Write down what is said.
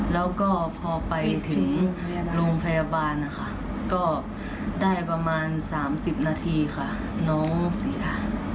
แล้วก็พอไปถึงโรงพยาบาลนะคะก็ได้ประมาณ๓๐นาทีค่ะน้องเสีย